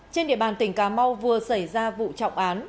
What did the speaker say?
trên địa bàn tỉnh cà mau vừa xảy ra vụ trọng án